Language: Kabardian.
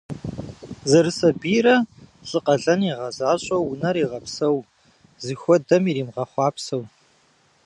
Зэрысабийрэ лӏы къалэн игъэзащӏэу унэр егъэпсэу, зыхуэдэм иримыгъэхъуапсэу.